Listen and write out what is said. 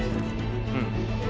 うん。